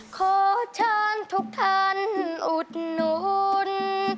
ขอเชิญทุกท่านอุดหนุน